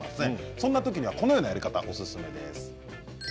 そんな時は、こういうやり方がおすすめです。